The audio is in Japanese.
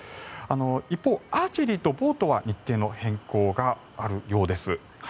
一方、アーチェリーとボートは日程の変更があるようです。